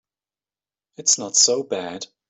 It's not so bad.